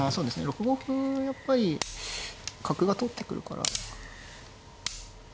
６五歩やっぱり角が通ってくるから。